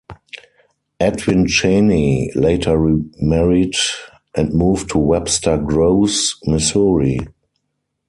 Edwin Cheney later remarried and moved to Webster Groves, Missouri.